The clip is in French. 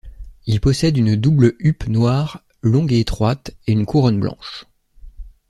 Il possède une double huppe noire, longue et étroite, et une couronne blanche.